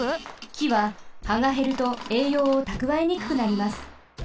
きははがへるとえいようをたくわえにくくなります。